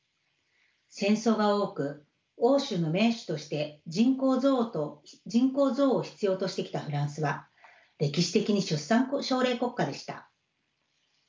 戦争が多く欧州の盟主として人口増を必要としてきたフランスは歴史的に出産奨励国家でした。